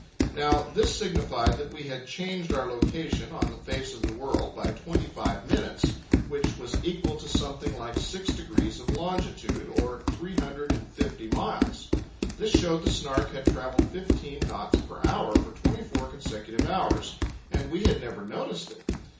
Now this signified that we had changed our location on the face of the world by twenty five minutes, which was equal to something like six degrees of longitude, or three hundred and fifty miles. This showed the Snark had travelled fifteen knots per hour for twenty four consecutive hours—and we had never noticed it!